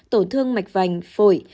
tổ thương mạch vành phổi